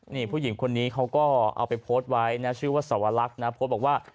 นี่ผู้หญิงคนนี้เขาก็เอาไปโพสต์ไว้นะชื่อว่าสวรรคนะโพสต์บอกว่า